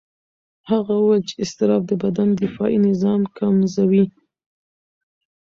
هغه وویل چې اضطراب د بدن دفاعي نظام کمزوي.